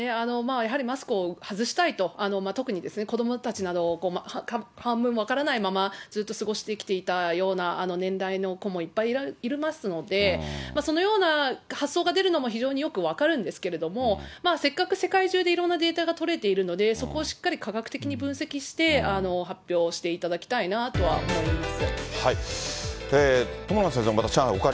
やはりマスクを外したいと、特に子どもたちなど、半分分からないままずっと過ごしてきていたような年代の子もいっぱいいますので、そのような発想が出るのも非常によく分かるんですけれども、せっかく世界中でいろんなデータが取れているので、そこをしっかり科学的に分析して、発表していただきたいなとは思います。